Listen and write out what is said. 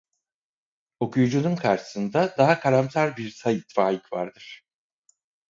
Okuyucunun karşısında daha karamsar bir Sait Faik vardır.